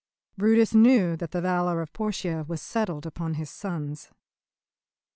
Brutus knew that the valour of Portia was settled upon his sons.